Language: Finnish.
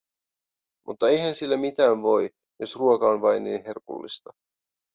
Mutta eihän sille mitään voi, jos ruoka on vain niin herkullista.